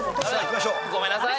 ごめんなさい。